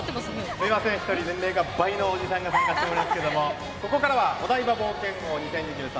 すみません、年齢が倍のおじさんが参加しておりますがここからはお台場冒険王２０２３